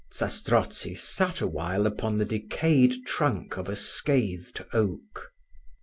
Zastrozzi sat a while upon the decayed trunk of a scathed oak.